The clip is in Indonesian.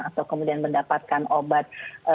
atau kemudian mendapatkan obat